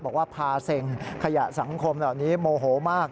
บอกว่าพาเซ็งขยะสังคมเหล่านี้โมโหมาก